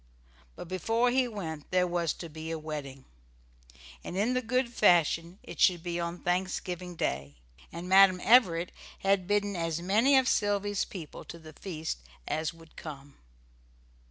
But before he went there was to be a wedding, and, in the good old fashion, it should be on Thanksgiving Day, and Madam Everett had bidden as many of Sylvy's people to the feast as would come.